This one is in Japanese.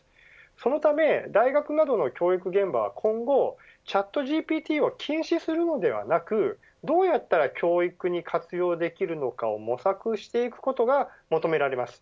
そのため大学などの教育現場は今後ＣｈａｔＧＰＴを禁止するのではなくどうやったら教育に活用できるのかを模索していくことが求められます。